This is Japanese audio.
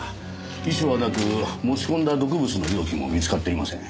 遺書はなく持ち込んだ毒物の容器も見つかっていません。